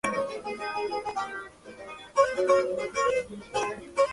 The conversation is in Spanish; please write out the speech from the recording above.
No obstante, serían los últimos sintetizadores que utilizaran este tipo de síntesis.